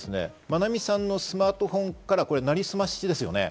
愛美さんのスマートフォンからなりすましですね。